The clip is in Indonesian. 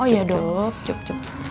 oh iya dok jup jup